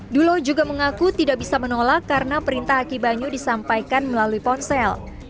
dulo juga mengaku tidak bisa menolak karena perintah aki banyu disampaikan melalui ponsel